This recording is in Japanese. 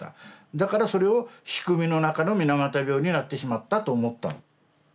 だからそれを「仕組みの中の水俣病」になってしまったと思ったの。